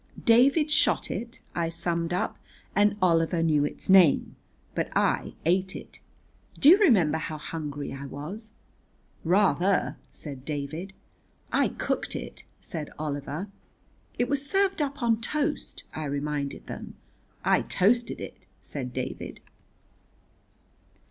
"David shot it," I summed up, "and Oliver knew its name, but I ate it. Do you remember how hungry I was?" "Rather!" said David. "I cooked it," said Oliver. "It was served up on toast," I reminded them. "I toasted it," said David.